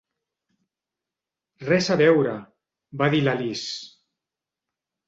"Res a veure", va dir l'Alice.